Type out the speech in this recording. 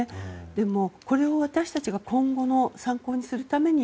でも、これを私たちが今後の参考にするために